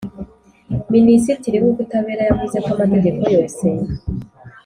minisitiri w’ubutabera yavuze ko amategeko yose